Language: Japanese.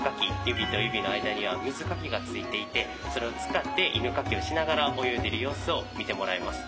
指と指の間には水かきがついていてそれを使って犬かきをしながら泳いでいる様子を見てもらえます。